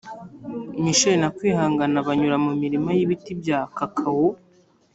misheli na kwihangana banyura mu mirima y’ibiti bya kakawo